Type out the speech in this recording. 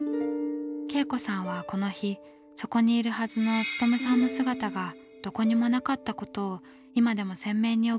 恵子さんはこの日そこにいるはずの勉さんの姿がどこにもなかったことを今でも鮮明に覚えているそうです。